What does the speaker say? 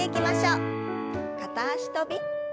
片脚跳び。